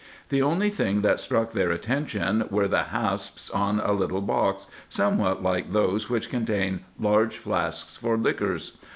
The only thing that struck their attention were the hasps on a little box, somewhat like those which contain large flasks for liquors.